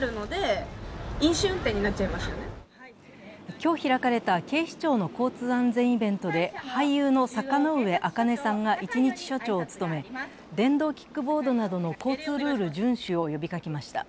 今日開かれた警視庁の交通安全イベントで、俳優の坂ノ上茜さんが一日署長を務め電動キックボードなどの交通ルール順守を呼びかけました。